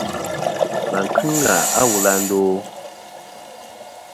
Và kɨŋ ghà a wul à ndo ?